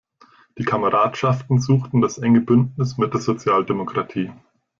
Die Kameradschaften suchten das enge Bündnis mit der Sozialdemokratie.